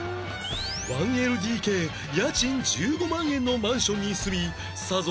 １ＬＤＫ 家賃１５万円のマンションに住みさぞ